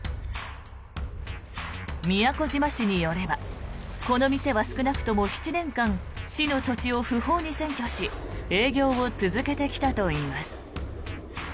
宮古島市によればこの店は少なくとも７年間市の土地を不法に占拠し営業を続けてきたといいます。